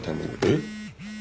えっ！？